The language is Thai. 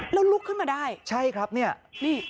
แล้วลุกขึ้นมาได้ใช่ครับเนี่ยนี่